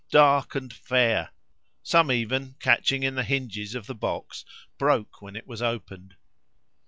dark and fair, some even, catching in the hinges of the box, broke when it was opened.